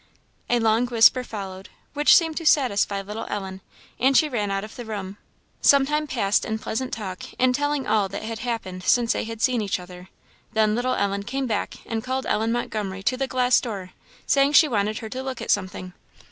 A long whisper followed, which seemed to satisfy little Ellen, and she ran out of the room. Some time passed in pleasant talk and telling all that had happened since they had seen each other; then little Ellen came back and called Ellen Montgomery to the glass door, saying she wanted her to look at something.